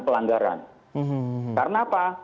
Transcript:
pelanggaran karena apa